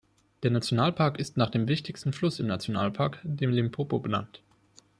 Der Nationalpark ist nach dem wichtigsten Fluss im Nationalpark, dem Limpopo benannt.